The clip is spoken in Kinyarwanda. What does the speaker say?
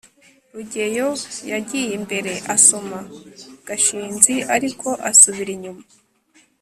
rugeyo yagiye imbere asoma gashinzi, ariko asubira inyuma